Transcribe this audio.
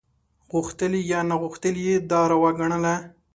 غوښتلي یا ناغوښتلي یې دا روا ګڼله.